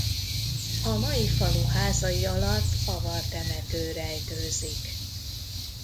A mai falu házai alatt avar temető rejtőzik.